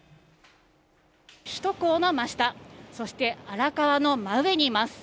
首都高の真下、そして、荒川の真上にいます。